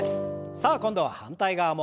さあ今度は反対側も。